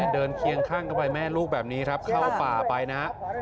เดินเคียงข้างด้วยแม่ลูกแบบนี้ครับเข้าป่าไปนะ